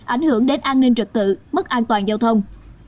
ảnh hưởng đến an ninh trật tự mất an toàn giao thông